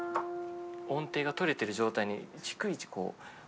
音程が取れてる状態に逐一こう。